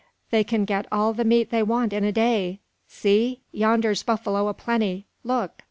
"They can get all the meat they want in a day. See! yonder's buffalo a plenty; look!